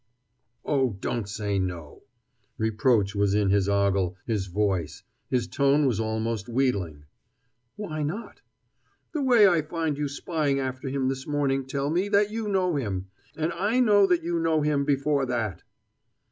"Oh, don't say 'no'!" Reproach was in his ogle, his voice. His tone was almost wheedling. "Why not?" "The way I find you spying after him this morning tell me that you know him. And I know that you know him before that."